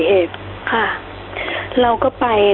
ค่ะเราก็ไป